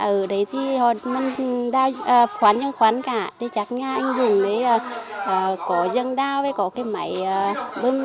ở đấy thì họ đau khoan trong khoan cả chắc nhà anh dũng có dân đau có cái máy bưng